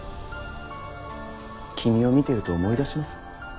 君を見てると思い出します。